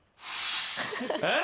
えっ？